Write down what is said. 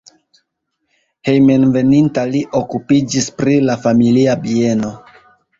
Hejmenveninta li okupiĝis pri la familia bieno.